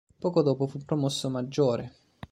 Poco dopo fu promosso maggiore.